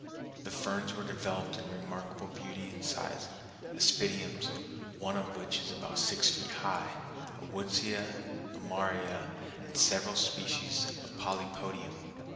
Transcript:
The ferns were developed in remarkable beauty and size—aspidiums, one of which is about six feet high, a woodsia, lomaria, and several species of polypodium.